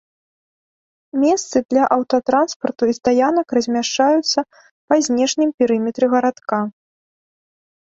Месцы для аўтатранспарту і стаянак размяшчаюцца па знешнім перыметры гарадка.